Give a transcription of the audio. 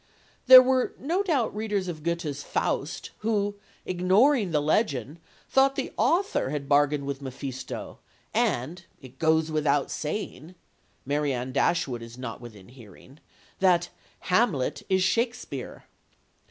There were no doubt readers of Goethe's Faust who, ignoring the legend, thought the author had bargained with Mephisto and, it "goes without saying" (Marianne Dashwood is not within hearing), that "Hamlet is Shakespeare."